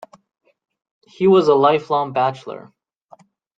He was a life-long bachelor.